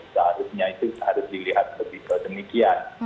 seharusnya itu harus dilihat lebih demikian